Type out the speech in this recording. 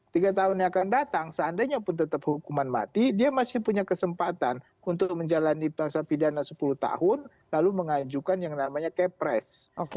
tiga tahun yang akan datang seandainya pun tetap hukuman mati dia masih punya kesempatan untuk menjalani puasa pidana sepuluh tahun lalu mengajukan yang namanya kepres